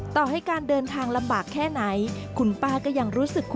ต่อให้การเดินทางลำบากแค่ไหนคุณป้าก็ยังรู้สึก